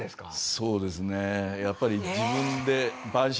そうですねやっぱり。晩酌！